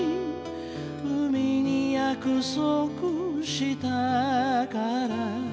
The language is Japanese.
「海に約束したから」